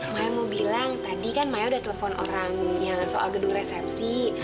maya mau bilang tadi kan maya udah telepon orangnya soal gedung resepsi